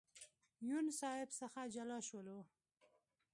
یون صاحب څخه جلا شولو.